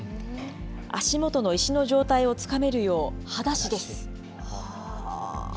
足元の石の状態をつかめるよう、はだしです。